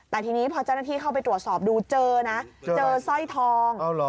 แต่ทีนี้พอเจ้าหน้าที่เข้าไปตรวจสอบดูเจอนะเจอสร้อยทอง